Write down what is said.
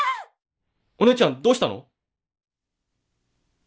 お姉ちゃんどうしたの？